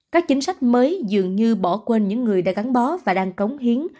các chính sách mới dường như bỏ quên những người đã gắn bó và đang cống hiến